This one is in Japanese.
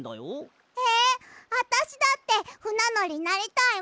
えっあたしだってふなのりなりたいもん！